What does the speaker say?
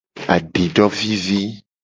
Adidovivi.